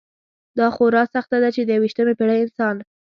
دا خورا سخته ده چې د یویشتمې پېړۍ انسان.